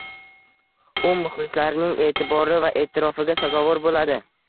U muxlislarining eʼtibori va eʼtirofiga sazovor boʻladi